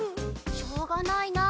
しょうがないな。